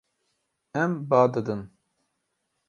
Em ba didin.